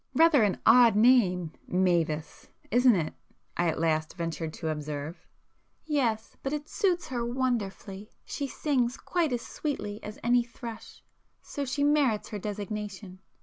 "Rather an odd name, Mavis, isn't it?"—I at last ventured to observe. "Yes,—but it suits her wonderfully. She sings quite as sweetly as any thrush, so she merits her designation."